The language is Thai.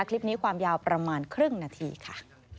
คลิปนี้ความยาวประมาณครึ่งนาทีค่ะ